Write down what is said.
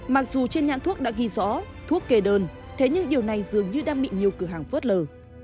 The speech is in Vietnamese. mặc dù trên nhãn thuốc đã ghi rõ thuốc kê đơn thế nhưng điều này dường như đang bị nhiều cửa hàng phớt lờ